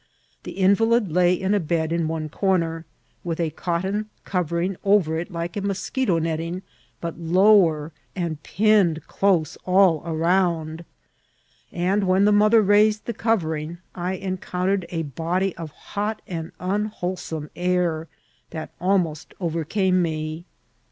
The in* ▼alid lay in a bed in one comer, with a cotton covering orer it like a moscheto netting, but lower, and pinned close all aromd ; and when the mother raised the cov* ering, I encountered a body of hot and unwholesome air that almost overcamle me.